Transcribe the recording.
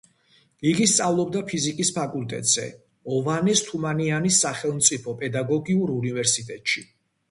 იგი სწავლობდა ფიზიკის ფაკულტეტზე, ოვანეს თუმანიანის სახელმწიფო პედაგოგიურ უნივერსიტეტში.